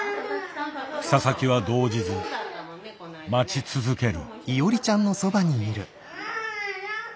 佐々木は動じず待ち続ける。